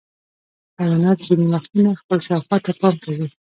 حیوانات ځینې وختونه خپل شاوخوا ته پام کوي.